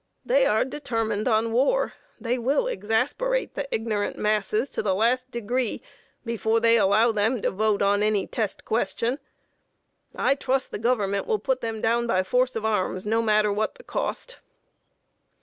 They are determined on war; they will exasperate the ignorant masses to the last degree before they allow them to vote on any test question. I trust the Government will put them down by force of arms, no matter what the cost!"